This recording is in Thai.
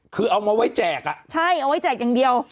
คือเอามาไว้แจกอ่ะใช่เอาไว้แจกอย่างเดียว